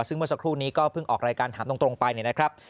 ซึ่งเมื่อสักครู่นี้ก็เพิ่งออกรายการถามตรงไปนะครับ